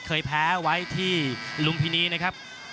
เคยแพ้ไว้ที่ลุมพินีนะครับ